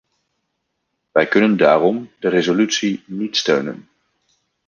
Wij kunnen daarom de resolutie niet steunen.